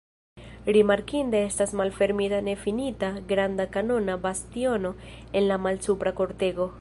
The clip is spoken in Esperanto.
Rimarkinda estas malfermita nefinita granda kanona bastiono en la malsupra kortego.